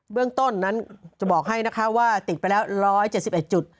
เรื่องต้นนั้นจะบอกให้นะคะว่าติดไปแล้ว๑๗๑จุด